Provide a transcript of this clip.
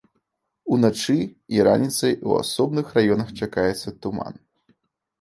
Уначы і раніцай у асобных раёнах чакаецца туман.